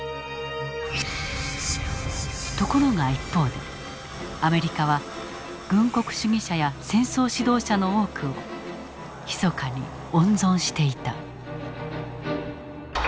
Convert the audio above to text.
ところが一方でアメリカは軍国主義者や戦争指導者の多くをひそかに温存していた。